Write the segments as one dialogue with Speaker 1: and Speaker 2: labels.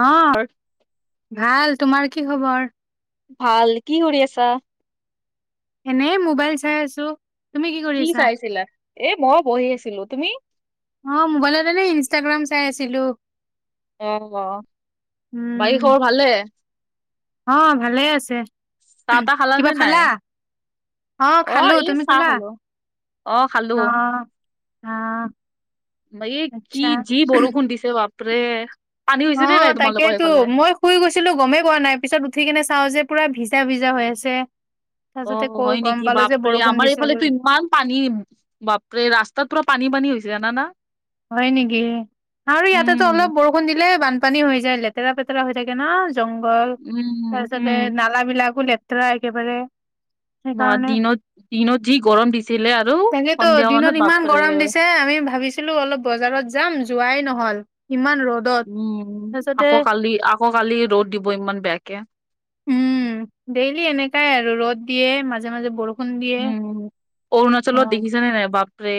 Speaker 1: অ ভাল, তোমাৰ কি খবৰ?
Speaker 2: ভাল কি কৰি আছা?
Speaker 1: এনেই মোবাইল চাই আছো। তুমি
Speaker 2: কি
Speaker 1: কৰিছা
Speaker 2: চাইছিলা এ মই বহি আছিলো তুমি।
Speaker 1: অ মোবাইলত এনে ইনষ্টাগ্ৰাম চাই আছিলো।
Speaker 2: অ বাৰী
Speaker 1: উম
Speaker 2: খবৰ ভালে।
Speaker 1: অ ভালে আছে।
Speaker 2: তা তা
Speaker 1: কিবা
Speaker 2: খালানে নাই।
Speaker 1: খালা অ খালো
Speaker 2: এই
Speaker 1: তুমি
Speaker 2: চাহ
Speaker 1: খেলা
Speaker 2: খালো
Speaker 1: অ আহ।
Speaker 2: বাকী কি জি ব বৰষুণ দিছে বপৰে।
Speaker 1: অ তাকেইেতো মই শুই গৈছিলো গমেই পোৱা নাই পিছত উঠি কেনে চাও যে পুৰা ভি। য়া বিজা হৈ আছে।
Speaker 2: অ
Speaker 1: তাৰপিছতে কৈ
Speaker 2: হয়
Speaker 1: গম
Speaker 2: নেকি
Speaker 1: পালো যে
Speaker 2: বাপৰে
Speaker 1: বৰষুণ
Speaker 2: আমাৰ
Speaker 1: দিছে
Speaker 2: এইফালে
Speaker 1: বুলি
Speaker 2: ইমান পানী বাপৰে ৰাস্তাত পুৰা পানী পানী হৈছে। জানা না।
Speaker 1: হয় নেকি আৰু ইয়াতেতো
Speaker 2: উম
Speaker 1: অলপ বৰষুণ দিলে বান। পানী হৈ যায় লেতেৰা পেতেৰা হৈ থাকে ন জংঘল
Speaker 2: উম উম
Speaker 1: তাৰপিছতে নালা বিলাকো লেতেৰা। তেৰা একেবাৰে।
Speaker 2: বা
Speaker 1: সেইকাৰণে
Speaker 2: দিনত দিনত যি গৰম দিছিলে আৰু
Speaker 1: তোকেতো
Speaker 2: সন্ধিয়া মানত
Speaker 1: দিনত ইমান গৰম
Speaker 2: বাপৰে
Speaker 1: দিছে আমি ভাবিছো। কিন্তু অলপ বজাৰ যাম যাই নহল ইমান। ৰ'দত
Speaker 2: উম
Speaker 1: তাৰপিছতে
Speaker 2: আকৌ কালি আকৌ কালি ৰ'দ দিব ইমান বেয়াকে।
Speaker 1: উম ডেইলি এনেকাই আৰু ৰ'দ দিয়ে মাজে মাজে বৰষুণ। দিয়ে
Speaker 2: উম
Speaker 1: অ
Speaker 2: অৰুণাচলত দেখিছেনে নাই বাপৰে।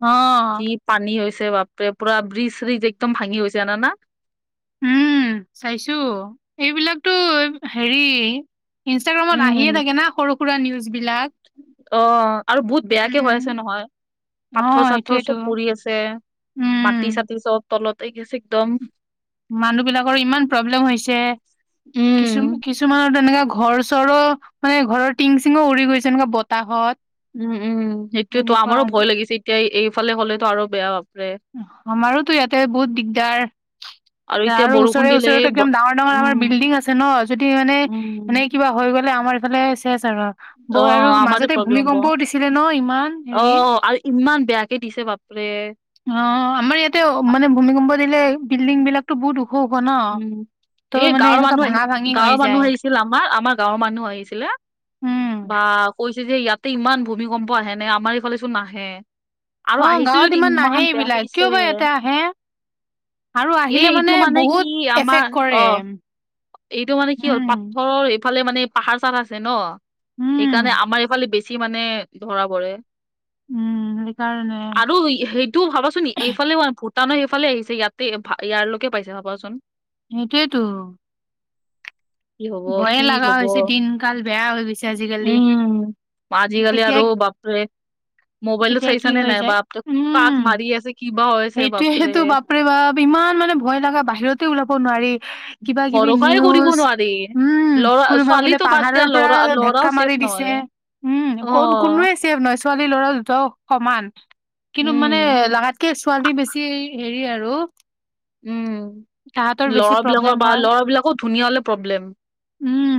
Speaker 1: অ
Speaker 2: কি পানী হৈছে বাপৰে পুৰা ব্ৰিজ চ্ৰিজ একদম ভাঙি গছে জানানা।
Speaker 1: উম চাইছো এইবিলাকতো হেৰি। ইনষ্টাগ্ৰামত আহিয়ে
Speaker 2: উম,
Speaker 1: থাকে না সৰু সুৰা নিউজ। বিলাক
Speaker 2: অ আৰু বহুত বেয়াকে হৈ
Speaker 1: উম
Speaker 2: আছে নহয়।
Speaker 1: অ
Speaker 2: পাথৰ চাথৰ
Speaker 1: সেইটোয়েতো
Speaker 2: চব পৰি আছে
Speaker 1: উম
Speaker 2: মাটি চাটি চব তলত আহ গ আছে একদম।
Speaker 1: মানুহ বিলাকৰ ইমান প্ৰব্লেম হৈছে কিছু
Speaker 2: উম।
Speaker 1: কিছুমানৰ তেনেকুৱা। ঘৰ চৰৰ মানে ঘৰৰ টিং চিঙো উৰি গৈছে এনেকুৱা বতাহত।
Speaker 2: উম উম সেইটোয়ো
Speaker 1: এনেকুৱা
Speaker 2: আমাৰো
Speaker 1: আৰু
Speaker 2: ভয় লাগিছে এতিয়া এইফালে হলেতো আৰু বেয়া ভ।
Speaker 1: আমাৰোতো ইয়াতে বহুত দিগদাৰ।
Speaker 2: এতিয়া
Speaker 1: আৰু
Speaker 2: বৰষুণ
Speaker 1: ওচৰে
Speaker 2: দিলে এই
Speaker 1: ওচৰেতো
Speaker 2: ব-
Speaker 1: একদম ডাঙৰ ডাঙৰ
Speaker 2: উম,
Speaker 1: আমাৰ বিল্ডিং আছে ন যদি মানে
Speaker 2: উম,
Speaker 1: এনেই কিবা হৈ গ'লে আমাৰ। ফালে চেছ। বৌ আৰু
Speaker 2: অ' আমাৰে
Speaker 1: মাজতে
Speaker 2: প্ৰব্লেম হ'ব।
Speaker 1: ভূমিকম্পও দিছিলে ন ইমান
Speaker 2: অ
Speaker 1: হেৰি।
Speaker 2: আৰু ইমান বেয়াকে দিছে বাপৰে।
Speaker 1: অ আমাৰ ইয়াতে মানে ভূমিকম্প দিলে বিল্ডিং বিলাকতো বহুত ওখ ওখ ন।
Speaker 2: উম
Speaker 1: ত'
Speaker 2: এই
Speaker 1: মানে
Speaker 2: গাঁৱৰ
Speaker 1: এনেকুৱা
Speaker 2: মানুহ আহি
Speaker 1: ভাঙা ভাঙি হৈ
Speaker 2: গাঁৱৰ মানুহ
Speaker 1: যায়
Speaker 2: আহিছিল আমাৰ আমাৰ গাঁৱৰ মানুহ আহিছিলে।
Speaker 1: উম
Speaker 2: বা কৈছে যে ইয়াতে ইমান ভূমিকম্প আহে নে আমাৰ এইফালে চোন নাহে। আৰু
Speaker 1: অ
Speaker 2: আহিছো
Speaker 1: গাঁৱত
Speaker 2: যদি
Speaker 1: নাহে
Speaker 2: ইমান বেয়াকে
Speaker 1: এইবিলাক
Speaker 2: দিছে।
Speaker 1: কিয় বা ইয়াতে আহে আৰু
Speaker 2: এ
Speaker 1: আহিলে
Speaker 2: এইটো মানে কি।
Speaker 1: বহুত
Speaker 2: কি আমাৰ
Speaker 1: এফেক্ট কৰে।
Speaker 2: অ এইটো মানে কি হ'ল
Speaker 1: উম,
Speaker 2: পাথৰৰ। ইফালে মানে পাহাৰ চাৰ আছে ন
Speaker 1: উম,
Speaker 2: সেইকাৰণে আমাৰ ইফালে বেছি মানে ধৰা পৰে।
Speaker 1: উম, সেইকাৰণে
Speaker 2: আৰু সেইটোও ভাবাচোন এইফালেও। আমাৰ এইফালে আহিছে ইয়াতে ইয়াৰালৈকে পাইছে ভাবাচোন।
Speaker 1: সেইটোৱতো।
Speaker 2: কি হব কি হব
Speaker 1: হৈছে দিন কাল বেয়া হৈ গৈছে আজিকালি
Speaker 2: উম। পাজি কালি
Speaker 1: কেতিয়া
Speaker 2: আৰু বাপৰে। মোবাইলটো
Speaker 1: কেতিয়া কি
Speaker 2: চাইছানে
Speaker 1: হৈ
Speaker 2: নাই
Speaker 1: যায়
Speaker 2: বাপৰে কাক
Speaker 1: উম,
Speaker 2: মাৰি আছে কি বা আছে বাপৰে।
Speaker 1: সেইটোয়েটো বাপৰে বাপ ইমান মানে ভয় লগা বাহিৰতে ওলাব নোৱাৰি। কিবা কিবি
Speaker 2: ভৰসাই কৰিব
Speaker 1: নিউজ
Speaker 2: নোৱাৰি।
Speaker 1: উম
Speaker 2: ল'ৰা
Speaker 1: কোনোবা বোলে
Speaker 2: ছোৱালীটো বাদ
Speaker 1: পাহাৰৰ
Speaker 2: দিয়া
Speaker 1: পৰা
Speaker 2: ল'ৰা ল'ৰাও
Speaker 1: ধাক্কা
Speaker 2: ছেফ
Speaker 1: মাৰি। পিছে
Speaker 2: নহয়
Speaker 1: উম ক
Speaker 2: অ',
Speaker 1: কোনোৱে ছেভ নহয়। ছোৱালী ল'ৰা দুটা সমান কিন্তু
Speaker 2: উম।
Speaker 1: মানে লা। কে ছোৱালী বেছি হেৰি আৰু।
Speaker 2: উম।
Speaker 1: তাহাঁতৰ বেছি
Speaker 2: ল'ৰা
Speaker 1: প্ৰব্লেম
Speaker 2: বিলাকৰ বা
Speaker 1: হয়
Speaker 2: ল'ৰাবলাকৰ ধুনীয়া প্ৰব্লেম।
Speaker 1: উম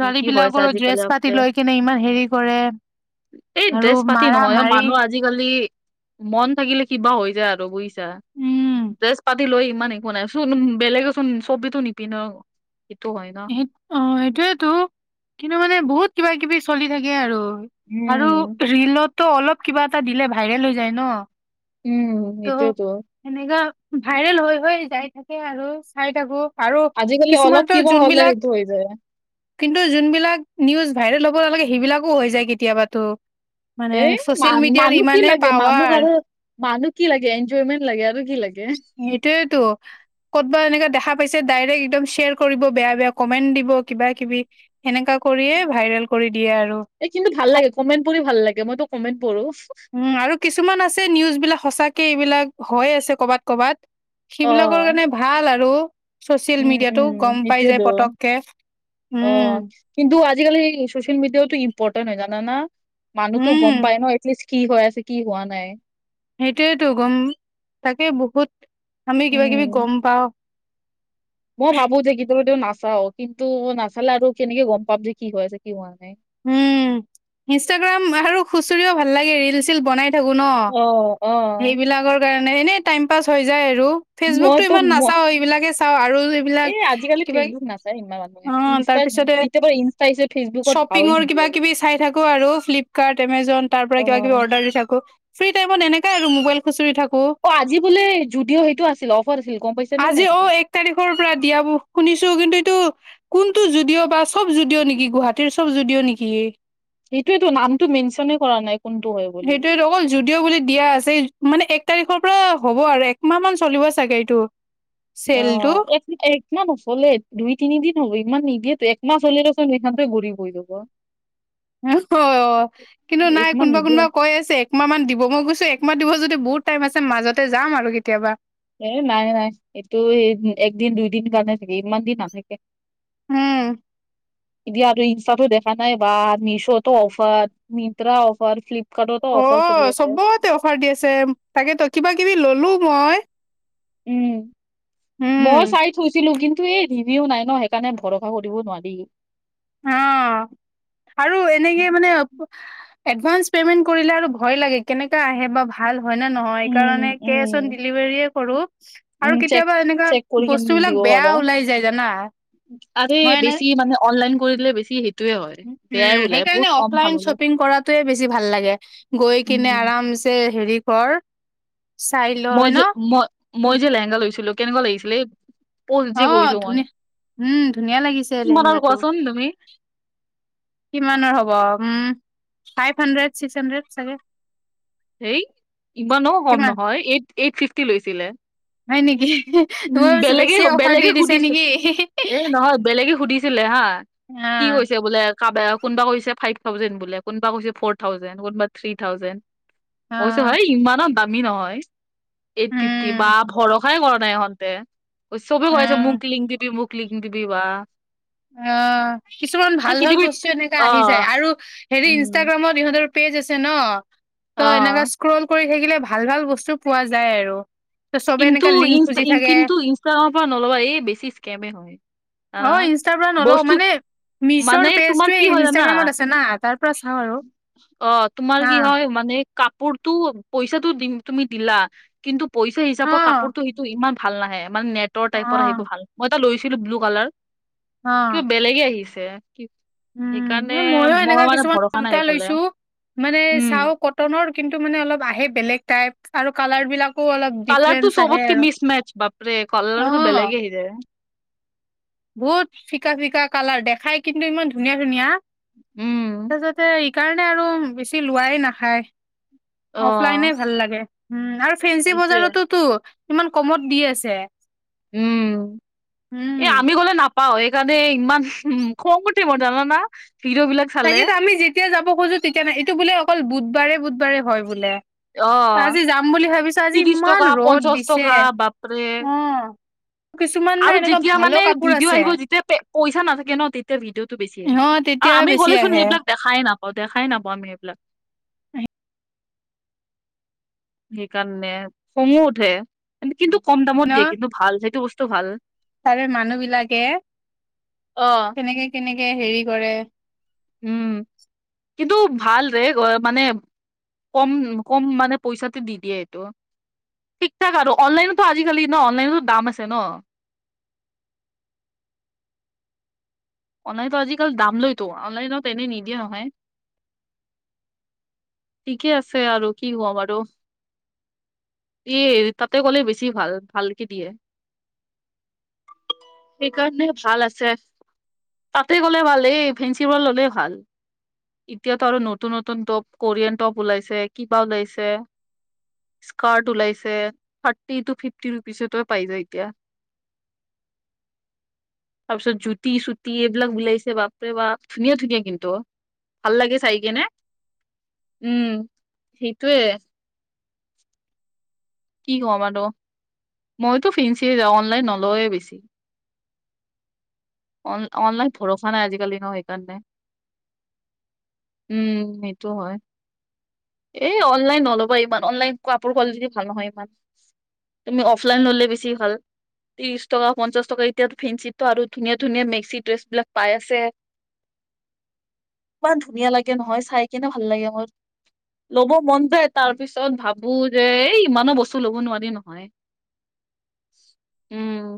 Speaker 2: কি কি হৈছে
Speaker 1: বিলাকৰো
Speaker 2: আজিকালি
Speaker 1: ড্ৰেছ
Speaker 2: বাপৰে
Speaker 1: পাতি লৈ কেনে ইমান হেৰি কৰে।
Speaker 2: এই
Speaker 1: আৰু
Speaker 2: ড্ৰেছ পাতি
Speaker 1: মাৰা
Speaker 2: নহয়
Speaker 1: মাৰি
Speaker 2: মানুহ আজিকালি। মন থাকিলে কিবা হৈ যায় আৰু বুজিছা
Speaker 1: উম
Speaker 2: । তেজ পাতি লৈ ইমান একো নাই চোন বেলেগেচোন চবিতো নিপিন্ধ। সেইটো হয় ন
Speaker 1: স অ সেইটোয়েতো কিন্তু মানে বহুত কিবা কিবি চলি থাকে আৰু। আৰু
Speaker 2: উম।
Speaker 1: ৰলতটো অলপ কিবা এটা দিলে ভাইৰেল হৈ যায় ন।
Speaker 2: উম,
Speaker 1: ত
Speaker 2: সেইটোয়েতো
Speaker 1: এনেকা। ভাইৰেল হৈ হয় যাই থাকে আৰু চাই থাকো। আৰু
Speaker 2: আজিকালি অলপ
Speaker 1: কিছুমানতো
Speaker 2: কিবা হলে
Speaker 1: যোনবিলাক
Speaker 2: সেইটো হৈ যায়।
Speaker 1: কিন্তু যোনবিলাক নিউজ ভাইৰেল হ'ব নালাগে সেইবিলাকো হৈ যায় কেতিয়াবাতো। মানে
Speaker 2: এ
Speaker 1: ছচিয়েল
Speaker 2: মান
Speaker 1: মিডিয়াৰ
Speaker 2: মানুহ কি
Speaker 1: ইমানেই
Speaker 2: লাগে মানুহ
Speaker 1: পাৱাৰ
Speaker 2: আৰু মানুহ কি লাগে এনজয়মেন্ট লাগে আৰু কি লাগে ।
Speaker 1: সটোয়তো ক'তবা এনেকাে দেখা পাইছে ডাইৰেক্ একদম শ্বেয়াৰ কৰিব। বেয়া বেয়া কমেন্ট দিব কিবা কিবি সেনেকা কৰিয়ে ভাইৰেল কৰি দিয়ে আৰু।
Speaker 2: এই কিন্তু ভাল লাগে কমেন্ট পঢ়ি ভাল লাগে মইতো কমেন্ট পঢ়ো।
Speaker 1: উম আৰু কিছুমান আছে নিউজ বিলাক সঁচাকে। য বিলাক হৈ আছে কৰ'বাত কৰ'বাত
Speaker 2: অ,
Speaker 1: সেইবিলাকৰ কাৰণে ভাল আৰু। চচিয়েল মিডিয়াতটো গম।
Speaker 2: উ অ
Speaker 1: পাই যায় পতককে
Speaker 2: কিন্তু।
Speaker 1: উম,
Speaker 2: কিন্তু আজিকালিচিয়েল মিডিয়াওো ইম্পৰ্টেণ্ট হয় জান মানুহতো
Speaker 1: উম।
Speaker 2: গম পায় ন এৰিষ্ট'টলৰ। কি হৈ আছে কি হোৱা নাই।
Speaker 1: সেইটোয়েতো গম তাকে বহুত আমি কিবা কিবি গম
Speaker 2: উম,
Speaker 1: পাওঁ।
Speaker 2: চাও কিন্তু নাচালে আৰু কেনেকে গম পাম যে কি হৈ আছে কি হোৱা নাই।
Speaker 1: উম ইনষ্টাগ্ৰাম আৰু খুচৰিও ভাল লাগে ৰিল চল বনাই। ন
Speaker 2: অ', অ',
Speaker 1: সেইবিলাক কাৰণে। এনে টাইম পাছ হৈ যায় আৰু ফেচবুক টো
Speaker 2: মইতো
Speaker 1: ইমান
Speaker 2: ম
Speaker 1: নাচাও এইবিলাকে চাওঁ আৰু। এইবিলাক
Speaker 2: এই আজিকালি
Speaker 1: কিবা
Speaker 2: ফেচবুক নাচায় ইমান মানুহে
Speaker 1: অ
Speaker 2: ইনষ্টা য পাৰে ইনষ্টা হিাপে ফেচবুকত। ভাওৱে
Speaker 1: শিঙৰ কিব
Speaker 2: নিদিয়ে আৰু
Speaker 1: কিবি চাই থাকো আৰু ফ্লিপকাৰ্ট এমজন তাৰ পৰা কিবা কিবি
Speaker 2: অ'
Speaker 1: অৰ্ডাৰ দি থাকো। ফ্ৰী টাইমত এনেকে আৰু মবাইল খুচৰি থাকো।
Speaker 2: অ' আজি বোলে জুডিঅ' সেইটো আছিল অফাৰ আছিল গম পাইছা নে
Speaker 1: আজি
Speaker 2: নাই
Speaker 1: অ
Speaker 2: তুমি
Speaker 1: এক তাৰিখৰ পৰা দিয়াব শুনি। ছো কিন্তু এইটো কোনটো যুদিঅ বা চব যুদিও নেকি গুৱাহাটীৰ চব যুদিও নেকি।
Speaker 2: সেইটোয়ো নামটো মেনচনে কৰা নাই। কোনটো হয় বুলি
Speaker 1: সেইটোটো অকল যুদিও বুলি দিয়া আছে মানে। তাৰিখৰ পৰা হ'ব আৰু একমাহ মান চলিব চাগাড়ীটো।
Speaker 2: অ এক একমানচলে দুই তিনিদিন হ'ব ইমান নি। সহেতু একমাহ হ'ল ৰচোন সখতেে গূৰি পৰি যব।
Speaker 1: অ কিন্তু নাই
Speaker 2: একমাহ
Speaker 1: কোনোবা
Speaker 2: নিদিয়ে
Speaker 1: কোনোবা কৈ আছে একমাহ মান দিব মই গৈছো একমাহ দিব যদি। বহুত টাইম আছে মাজতে যাম আৰু কেতিয়াবা।
Speaker 2: এ নাই নাই এইটো একদিন দুইদিন কাৰণে থাকে ইমান দিন নাথাকে।
Speaker 1: উম।
Speaker 2: এতিয়া আৰু ইনষ্টাতো দেখা নাই বা মিছতো অফাৰ মট্ৰা অফাৰ ফ্লিপ।
Speaker 1: অ চবতে অফাৰ দি আছে তাকেতো কিবা কিবি ললো মই।
Speaker 2: উম ময়ো
Speaker 1: উম,
Speaker 2: চাই থৈছিলিলো কিন্তু। এই ভিনিও নাই ন সেইকাৰণে ভৰসা কৰিব নোৱাৰি।
Speaker 1: অ আৰু এনেকে মানে। এডভান্স পেমেন্ট কৰিলে আৰু ভয় লাগে কেনেকা আহে বা ভাল। হয় নে নহয় স
Speaker 2: উম
Speaker 1: কাৰণে কেচ অন
Speaker 2: উম
Speaker 1: ডেলিভাৰে কৰো।
Speaker 2: উম
Speaker 1: আৰু
Speaker 2: চেক
Speaker 1: কেতিয়াবা এনেকুৱা
Speaker 2: চেক কৰি কেনে
Speaker 1: বস্তু বিলাক
Speaker 2: দিব
Speaker 1: বেয়া
Speaker 2: পাৰা
Speaker 1: ওলাই যায় জানা।
Speaker 2: আৰে
Speaker 1: মই এনে
Speaker 2: বেছি মানে অনলাইন কৰিলে বেছি হ।
Speaker 1: উম সেইকাৰণে অফলাইন
Speaker 2: ওলাই
Speaker 1: শ্বপিং কৰাটোয়ে বেছি ভাল লাগে গৈ কিনে
Speaker 2: উম
Speaker 1: আৰাম এ হেৰি কৰ চাই ল
Speaker 2: মই
Speaker 1: হয় ন?
Speaker 2: যে মই মই যে লেহেংগা লৈছিলো কেনেকুৱা লাগিছিলে যে
Speaker 1: অ',
Speaker 2: কৰিছো মই
Speaker 1: ধুনীয়া উম, ধুনীয়া লাগিছে
Speaker 2: কিমান আৰু
Speaker 1: লেহেংগাটো।
Speaker 2: কোৱাচোন তুমি
Speaker 1: কিমানৰ হ'ব um five hundred six hundred চাগে
Speaker 2: হেই ইমানো হম
Speaker 1: কিমান
Speaker 2: নহয় এইট এইট ফিফটি লৈছিলে
Speaker 1: হয় নেকি?
Speaker 2: উম
Speaker 1: মই ভাবিছোঁ
Speaker 2: বেলেগে
Speaker 1: বেছি অফাৰ দি
Speaker 2: বেলেগে
Speaker 1: দিছে
Speaker 2: সুধিছে
Speaker 1: নেকি?
Speaker 2: এ নহয় বেলেগে সুধিছে ছিলে হা কি
Speaker 1: অ',
Speaker 2: হৈছে বোলে কোনোবা কৈছে ফাইভ থাউজেণ্ড বো কোনবা কৈছে ফ'ৰ থাউজেণ্ড কোনোবা থ্ৰী থাউজেণ্ড অইছো
Speaker 1: অ',
Speaker 2: ভাই ইমানত দামী নহয় এই তৃপ্তি বা
Speaker 1: উম,
Speaker 2: ভৰসাই কৰা নাই এতে চবেই ক আছে মুখ
Speaker 1: অ',
Speaker 2: লিং দিবি মুক লিং দিবি বা
Speaker 1: অ কিছুমান ভাল ভাল
Speaker 2: কেতিয়াবা
Speaker 1: বস্তু এনেকা
Speaker 2: অ
Speaker 1: আহি যায় আৰু হেৰি
Speaker 2: উম
Speaker 1: ইনষ্টাগ্ৰামত ইহঁতৰ পেজ আছে ন ত
Speaker 2: অ
Speaker 1: এনেকা স্ক্ৰল কৰি থাকিলে ভাল ভাল বস্তু পোৱা যায় আৰু ত' চবে
Speaker 2: কিন্তু
Speaker 1: এনেকা লিংক খুজি
Speaker 2: ই
Speaker 1: থাকে
Speaker 2: কিন্তু ইনষ্টাগ্ৰামৰ পৰা নলবা এই বেছি স্কেমে হয়
Speaker 1: অ
Speaker 2: আহ
Speaker 1: ইনষ্টাৰ পৰা নলওঁ মানে মিছৰ
Speaker 2: তোমাৰ
Speaker 1: পেজটো
Speaker 2: কি হয় জানা
Speaker 1: ইনষ্টাগ্ৰামত আছে না তাৰ পৰা চাওঁ আৰু
Speaker 2: অ তোমাৰ
Speaker 1: হা
Speaker 2: কি হয় মানে কাপোৰটো পইচাটো দিম তুমি দিলা কিন্তু পইচা
Speaker 1: অ
Speaker 2: হিচাপত কাপোৰটো সেইটো ইমান ভাল নাহে মানে নেটৰ টাইপৰ আহিব
Speaker 1: অ
Speaker 2: ভাল মই এটা লৈছিলো ব্লু কালাৰ
Speaker 1: অ
Speaker 2: কিবা বেলেগে আহিছে কি
Speaker 1: উম
Speaker 2: সেইকাৰণে
Speaker 1: ময়ো
Speaker 2: মই
Speaker 1: এনেকা
Speaker 2: মানে
Speaker 1: কিছুমান
Speaker 2: ভৰসা নাই
Speaker 1: চোতা
Speaker 2: এইফালে
Speaker 1: লৈছো মানে চাও
Speaker 2: উম
Speaker 1: কটনৰ কিন্তু মানে অলপ আহে বেলেগ টাইপ আৰু কালাৰ বিলাক
Speaker 2: কালাৰটো চবতকে মিচ মেচ বাপৰে
Speaker 1: অ
Speaker 2: কালাৰটো বেলেগে আহি যায়
Speaker 1: খাই কিন্তু ইমান ধুনীয়া ধুনীয়া
Speaker 2: উম
Speaker 1: তাৰপিছতে সেইকাৰণে আৰু বেছি লোৱাই নাখায়
Speaker 2: অ
Speaker 1: অফলাই ভাল লাগে ফেঞ্চি
Speaker 2: এইটোয়ে
Speaker 1: বজাৰতোতো ইমান কমত দি আছে
Speaker 2: উম
Speaker 1: উম
Speaker 2: এই আমি গলে নাপ পাও সেইকাৰণে ইমান উ কম টাইমত জানাানা
Speaker 1: তাকেতো আমি যেতিয়া যাব খোজো তেতিয়া নাই এইটো বোলে অকল বুধবাৰে বুধবাৰে হয় বোলে
Speaker 2: অ
Speaker 1: আজি যাম বুলি ভাবিছো আজি
Speaker 2: ত্ৰিশ
Speaker 1: ইমান
Speaker 2: টকা
Speaker 1: ৰ'দ
Speaker 2: পঞ্চাশ
Speaker 1: দিছে
Speaker 2: টকা বাপৰে
Speaker 1: উ
Speaker 2: আৰু যেতিয়া মানে ভিডিঅ'
Speaker 1: আছে
Speaker 2: আহিব যেতিয়া পইচা নাথাকে ন তেতিয়া ভিডিঅ'টো বেছি আহে
Speaker 1: অ তেতিয়া বেছি
Speaker 2: চোন
Speaker 1: আহে
Speaker 2: সেইবিলাক দেখাই নাপাওঁ দেখাই নাপাও আমি সেইবিলাক সেইকাৰণে খঙো উঠে কিন্তু কম
Speaker 1: ন
Speaker 2: দামত দিয়ে কিন্তু ভাল সেইটো বস্তু ভাল
Speaker 1: তাৰে মানুহ বিলাকে
Speaker 2: অ',
Speaker 1: কেনেকে কেনেকে হেৰি কৰে
Speaker 2: উম কিন্তু ভালৰে মানে কম কম মানে পইচাতে দি দিয়ে এইটো ঠিক থাক আৰু অনলাইনতো আজিকালি ন অনলাইনতো দাম আছে ন [inaudible] অনলাইনতো আজিকাল দাম লয়তো অনলাইনত এনেই নিদিয়ে নহয় ঠিকেই আছে আৰু কি হ আৰু এ হে তাতে গ'লে বেছি ভাল ভালকে দিয়ে সেইকাৰণে ভাল আছে। তাতে গ'লে ভাল এই ফেঞ্চি ব ললে ভাল। এতিয়াতো আৰু নতুন নতুন টপ কোৰিয়ান টপ ওলাইছে কিবা ওলাইছে স্কাৰ্ট ওলাইছে থাৰ্টি ট ফিফটি ৰুপিচত পাই যায় এতিয়া তাৰপিছত জোতি চুতি এইবিলাক বলাইছে বাপে বা ধুনীয়া ধুনীয়া কিন্তু ভাল লাগে চাই কেনে উম সেইটোৱে কি কম আৰু ত মইতো ফিন্ঞ্চিয় যাওঁ অনলাইন নল ও বেছি? অন অনলাইন ভৰসা নাই আজিকালি ন সেইকাৰণে উম সেইটো হয় এই অনলাইন নল'বা ইমান অনলাইন কাপোৰ কোৱালিটি ভাল নহয় ইমান তুমি অফলাইন ললে বেছি ভাল ত্ৰিশ টকা পঞ্চাশ টকা এতিয়া ফিঞ্চিত আৰু ধুনীয়া ধুনীয়া মেক্সি ড্ৰেছ বিলাক পাই আছে ইমান ধুনীয়া লাগে নহয় চাই কেনে ভাল লাগে মোৰ ল'ব মন যায় তাৰ পিছত ভাবো যে এই ইমানো বস্তু ল'ব নোৱাৰি নহয় উম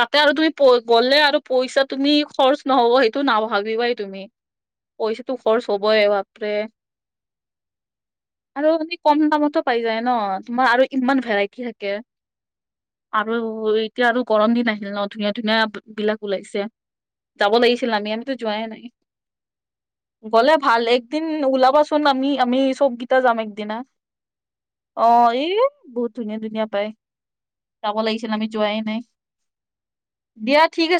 Speaker 2: তাতে আৰু তুমি প গ'লে আৰু পইচা তুমি খৰচ নহ'ব সেইটো নাভাবিবাই তুমি পইচাটো খৰচ হবই বাপৰে আৰু এ কম দামতো পাই যায় ন তোমাৰ আৰু ইমান ভেৰাইটি থাকে আৰু এতিয়া আৰু গৰম দিন আহিল ন ধুনীয়া ধুনীয়া বি বিলাক ওলাইছে যাব লাগিছিল আমি আমিতো যোৱাই নাই গলে ভাল একদিন ওলাবাচোন আমি আমি চব গীতা যাম একদিনা অ এ বহুত ধুনীয়া ধুনীয়া পায় যাব লাগিছিল আমি যোৱাই নাই দিয়া ঠিক আছে